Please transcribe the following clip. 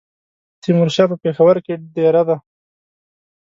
تیمورشاه په پېښور کې دېره دی.